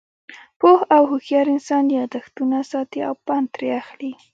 پوه او هوشیار انسان، یاداښتونه ساتي او پند ترې اخلي.